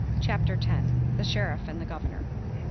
CHAPTER X. THE SHERIFF AND THE GOVERNOR.